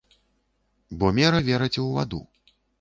Бо мера вераць у ваду.